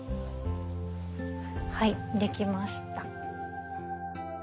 はい出来ました。